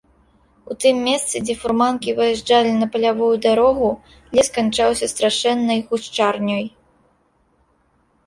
У тым месцы, дзе фурманкі выязджалі на палявую дарогу, лес канчаўся страшэннай гушчарнёй.